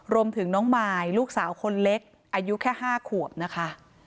รวมถึงน้องมายลูกสาวคนเล็กอายุแค่๕ขวบนะคะ